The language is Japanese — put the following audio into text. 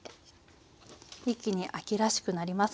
一気に秋らしくなりますね。